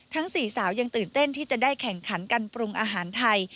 ๔สาวยังตื่นเต้นที่จะได้แข่งขันกันปรุงอาหารไทย